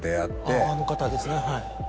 あの方ですねはい。